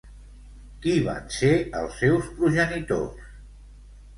Qui van ser els seus progenitors?